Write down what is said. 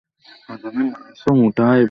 গোপাল তখন বাড়িতে ছিল।